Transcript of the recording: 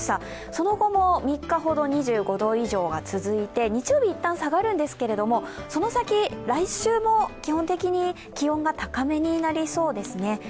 その後も３日ほど２５度以上が続いて日曜日は一旦下がるんですけれども、その先、来週も基本的に気温が高めになりそうですね。